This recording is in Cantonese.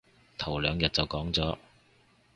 頭兩日就講咗